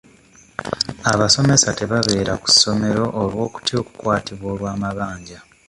Abasomesa tebabeera mu ssomero olw'okutya okukwatibwa olw'amabanja.